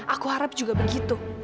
aku harap juga begitu